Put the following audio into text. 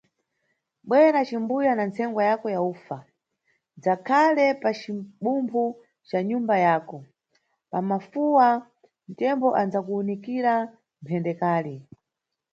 Bwera, cimbuya na nsengwa yavko ya ufa, zakhale pa cibumphu ca nyumba yako; pa mafuwa, Tembo anʼdzakuunikira mphendekali.